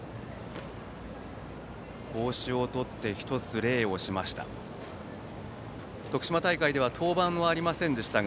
帽子を取って、１つ礼をしました。